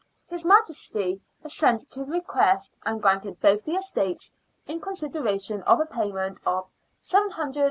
His Majesty acceded to the request, and granted both the estates in consideration of a payment of £'j^^ 17s.